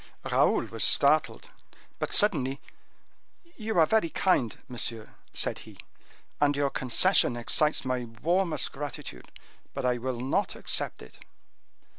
Raoul was startled, but suddenly: "You are very kind, monsieur," said he; "and your concession excites my warmest gratitude, but I will not accept it."